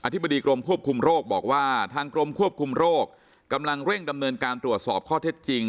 ธิบดีกรมควบคุมโรคบอกว่าทางกรมควบคุมโรคกำลังเร่งดำเนินการตรวจสอบข้อเท็จจริง